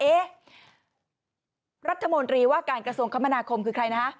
เอ๊ะรัฐมนตรีว่าการกระทรวงคมนาคมคือใครนะฮะ